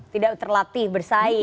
tidak terlatih bersaing